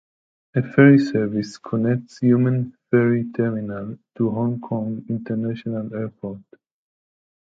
A ferry service connects Humen Ferry Terminal to Hong Kong International Airport.